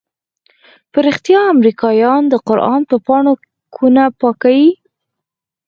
په رښتيا امريکايان د قران په پاڼو كونه پاكيي؟